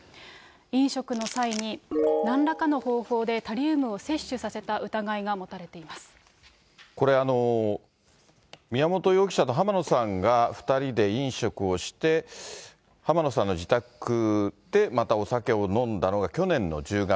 飲食の際になんらかの方法でタリウムを摂取させた疑いが持たれてこれ、宮本容疑者と浜野さんが２人で飲食をして、浜野さんの自宅で、またお酒を飲んだのが去年の１０月。